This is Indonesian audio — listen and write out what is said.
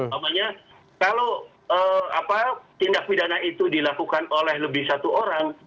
maksudnya kalau tindak pidana itu dilakukan oleh lebih satu orang